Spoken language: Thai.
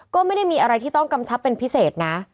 ก็ไม่ได้มีอะไรที่ต้องกำชับเป็นพิเศษนะ